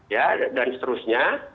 ya dan seterusnya